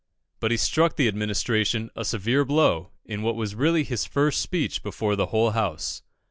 But he struck the Administration a severe blow in what was really his first speech before the whole House.